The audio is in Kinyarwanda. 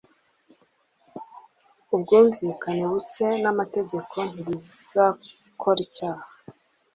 Ubwumvikane buke n'amategeko ntibizakora icyaha